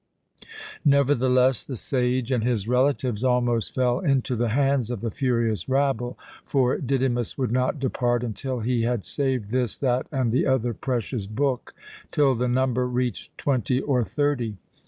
Nevertheless, the sage and his relatives almost fell into the hands of the furious rabble, for Didymus would not depart until he had saved this, that, and the other precious book, till the number reached twenty or thirty.